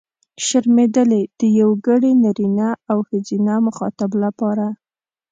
شرمېدلې! د یوګړي نرينه او ښځينه مخاطب لپاره.